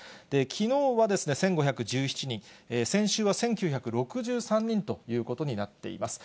きのうは１５１７人、先週は１９６３人ということになっています。